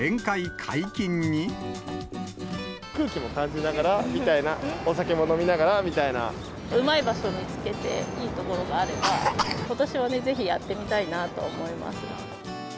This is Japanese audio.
空気も感じながらみたいな、うまい場所見つけて、いいところがあれば、ことしはぜひやってみたいなと思います。